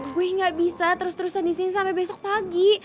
gue gak bisa terus terusan disini sampe besok pagi